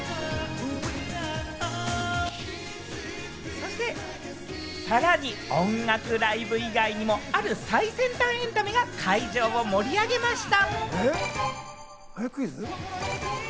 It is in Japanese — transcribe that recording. そしてさらに、音楽ライブ以外にもある最先端エンタメが会場を盛り上げました。